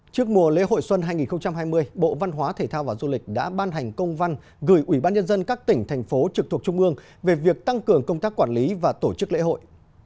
trước mùa lễ hội xuân hai nghìn hai mươi bộ văn hóa thể thao và du lịch đã ban hành công văn gửi ủy ban nhân dân các tỉnh thành phố trực thuộc trung ương về việc tăng cường công tác quản lý và tổ chức lễ hội